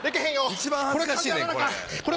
一番恥ずかしいねんこれ。